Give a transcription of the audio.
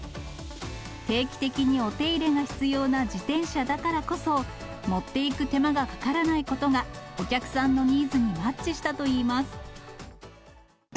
定期的にお手入れが必要な自転車だからこそ、持っていく手間がかからないことが、お客さんのニーズにマッチしたといいます。